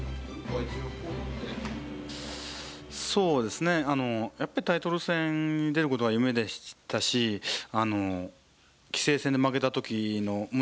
そうですねあのやっぱりタイトル戦に出ることは夢でしたし棋聖戦で負けた時の無念さというのをね